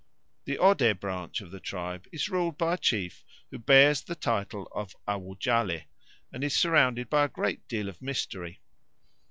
The Ode branch of the tribe is ruled by a chief who bears the title of Awujale and is surrounded by a great deal of mystery.